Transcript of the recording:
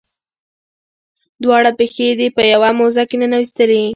دواړه پښې دې په یوه موزه کې ننویستې.